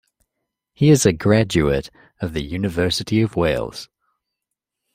He is a graduate of the University of Wales.